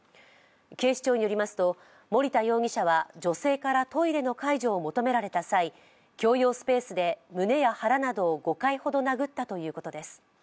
警視庁によりますと森田容疑者は女性からトイレの介助を求められた際、共用スペースで胸や腹などを５回ほど殴ったということです。